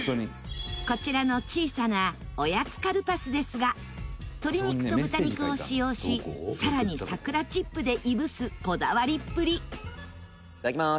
こちらの小さなおやつカルパスですが鶏肉と豚肉を使用しさらに桜チップでいぶすこだわりっぷり北山：いただきます。